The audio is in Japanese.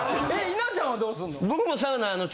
稲ちゃんはどうすんの？